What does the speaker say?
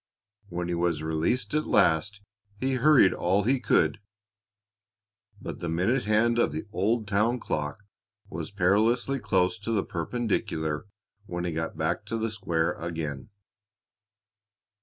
When he was released at last, he hurried all he could, but the minute hand of the old town clock was perilously close to the perpendicular when he got back to the square again.